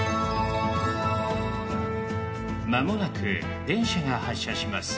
間もなく電車が発車します。